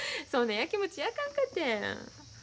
そんなやきもちやかんかて。